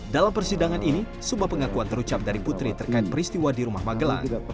dalam persidangan ini sebuah pengakuan terucap dari putri terkait peristiwa di rumah magelang